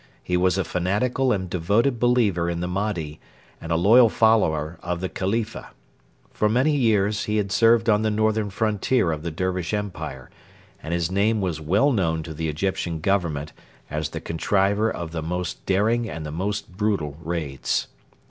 He was a fanatical and devoted believer in the Mahdi and a loyal follower of the Khalifa. For many years he had served on the northern frontier of the Dervish Empire, and his name was well known to the Egyptian Government as the contriver of the most daring and the most brutal raids.